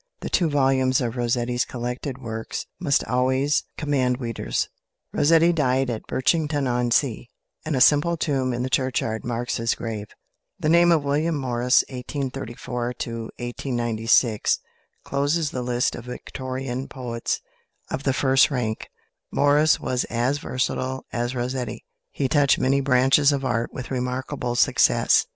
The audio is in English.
The two volumes of Rossetti's collected works must always command readers. Rossetti died at Birchington on Sea, and a simple tomb in the churchyard marks his grave. The name of =William Morris (1834 1896)= closes the list of Victorian poets of the first rank. Morris was as versatile as Rossetti. He touched many branches of Art with remarkable success.